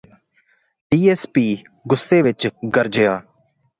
D S P ਗੁੱਸੇ ਵਿੱਚ ਗਰਜਿਆ